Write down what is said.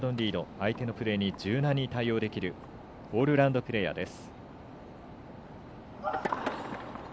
相手のプレーに柔軟に対応できるオールラウンドプレーヤーです。